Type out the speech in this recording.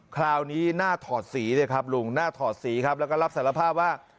คราวนี้หน้าถอดสีเลยครับลุงหน้าถอดสีครับแล้วก็รับสารภาพว่า